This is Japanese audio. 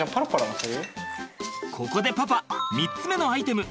ここでパパ３つ目のアイテム